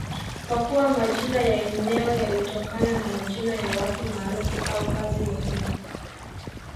kwa kuwa majina ya eneo yalitokana na majina ya watu maarufu au kazi muhimu